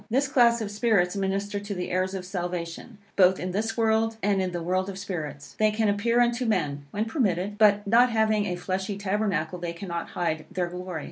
This class of spirits minister to the heirs of salvation, both in this world and in the world of spirits. They can appear unto men, when permitted; but not having a fleshly tabernacle, they cannot hide their glory.